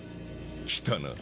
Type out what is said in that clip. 来たな。